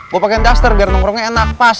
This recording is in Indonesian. gue pakai duster gara gara nongkrongnya enak pas